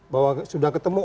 bahwa sudah ketemu